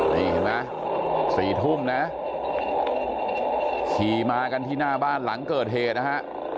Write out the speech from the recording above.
นี่เห็นไหม๔ทุ่มนะขี่มากันที่หน้าบ้านหลังเกิดเหตุนะฮะ